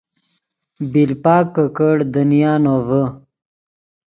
بیلپک کہ کڑ دنیا نوڤے